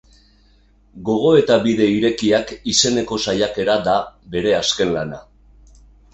Gogoeta-bide irekiak izeneko saiakera da bere azken lana.